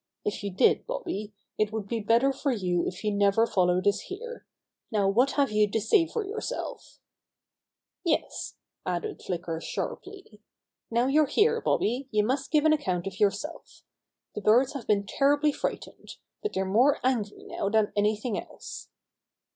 If you did, Bobby, it would be better for you if you never followed us here. Now what have you to say for yourself !" "Yes," added Flicker sharply. "Now you're here, Bobby, you must give an account of yourself. The birds have been terribly fright ened, but they're more angry now than any thing else."